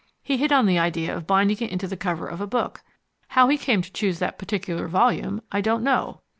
He hit on the idea of binding it into the cover of a book. How he came to choose that particular volume, I don't know."